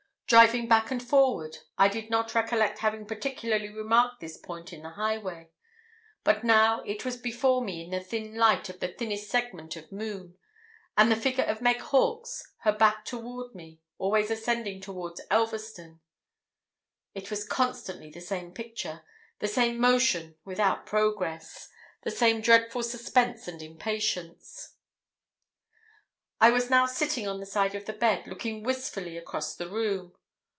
Driving back and forward, I did not recollect having particularly remarked this point in the highway; but now it was before me, in the thin light of the thinnest segment of moon, and the figure of Meg Hawkes, her back toward me, always ascending towards Elverston. It was constantly the same picture the same motion without progress the same dreadful suspense and impatience. I was now sitting on the side of the bed, looking wistfully across the room.